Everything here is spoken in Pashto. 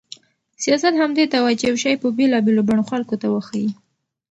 سیاست همدې ته وایي چې یو شی په بېلابېلو بڼو خلکو ته وښيي.